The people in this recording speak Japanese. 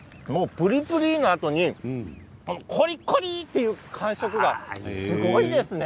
プリプリのあとにコリコリという感触がすごいですね。